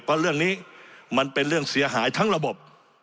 เพราะเรื่องนี้มันเป็นเรื่องเสียหายทั้งระบบ